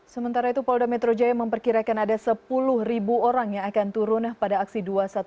sementara itu polda metro jaya memperkirakan ada sepuluh orang yang akan turun pada aksi dua ratus dua belas